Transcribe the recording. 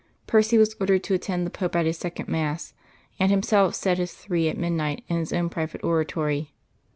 Percy was ordered to attend the Pope at his second mass, and himself said his three at midnight in his own private oratory.